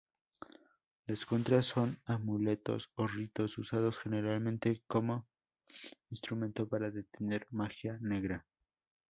Las contras son amuletos o ritos, usados generalmente como instrumento para detener magia negra.